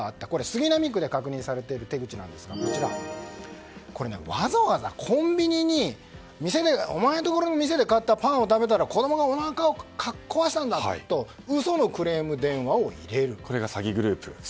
杉並区で確認されている手口なんですがわざわざコンビニにお前のところで買ったパンを食べたら子供がおなかを壊したんだとこれが詐欺グループ。